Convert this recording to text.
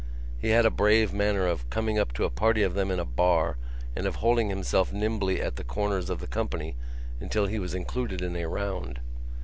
He had a brave manner of coming up to a party of them in a bar and of holding himself nimbly at the borders of the company until he was included in a round.